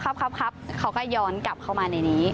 ครับครับเขาก็ย้อนกลับเข้ามาในนี้